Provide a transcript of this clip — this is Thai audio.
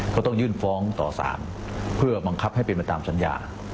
ก็ต้องยื่นฟ้องต่อสารเพื่อบังคับให้เป็นไปตามสัญญา